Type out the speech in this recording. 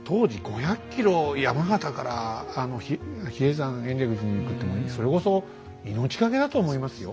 当時５００ｋｍ山形から比叡山延暦寺に行くってもうそれこそ命懸けだと思いますよ。